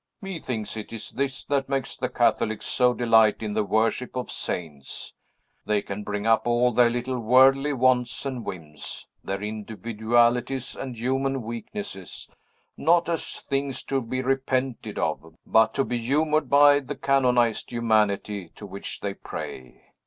Methinks it is this that makes the Catholics so delight in the worship of saints; they can bring up all their little worldly wants and whims, their individualities and human weaknesses, not as things to be repented of, but to be humored by the canonized humanity to which they pray.